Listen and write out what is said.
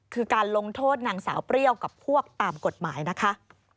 คือการลงโทษนางสาวเปรี้ยวกับพวกตามกฎหมายนะคะ